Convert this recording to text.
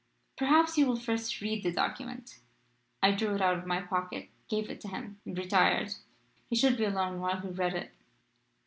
"'Perhaps you will first read the document.' I drew it out of my pocket, gave it to him, and retired. He should be alone while he read it.